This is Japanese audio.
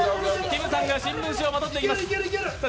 きむさんが新聞紙をまとっていきます。